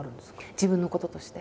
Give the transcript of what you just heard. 自分のこととして？